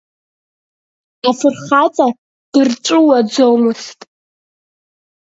Афырхаҵа дырҵәыуаӡомызт.